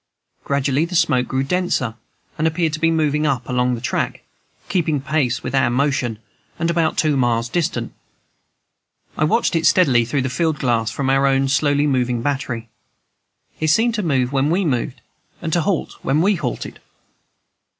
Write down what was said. Gradually the smoke grew denser, and appeared to be moving up along the track, keeping pace with our motion, and about two miles distant. I watched it steadily through a field glass from our own slowly moving battery: it seemed to move when we moved and to halt when we halted.